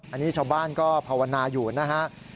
อันนี้ชาวบ้านก็ภาวนาอยู่นะฮะ